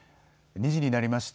２時になりました。